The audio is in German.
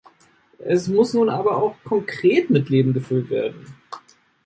Es muss nun aber auch konkret mit Leben gefüllt werden.